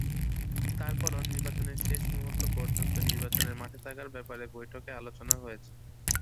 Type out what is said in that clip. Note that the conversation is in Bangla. তারপরও নির্বাচনের শেষ মুহূর্ত পর্যন্ত নির্বাচনের মাঠে থাকার ব্যাপারে বৈঠকে আলোচনা হয়েছে।